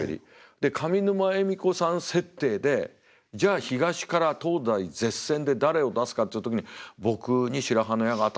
で上沼恵美子さん設定でじゃあ東から東西舌戦で誰を出すかっていう時に僕に白羽の矢が当たったのかなあ。